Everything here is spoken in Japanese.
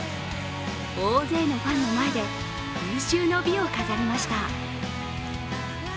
大勢のファンの前で有終の美を飾りました。